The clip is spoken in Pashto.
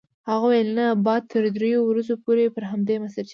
هغه وویل نه باد تر دریو ورځو پورې پر همدې مسیر چلیږي.